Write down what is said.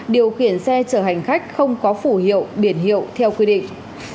điều khiển xe chở hành khách không có phủ hiệu biển hiệu theo quy định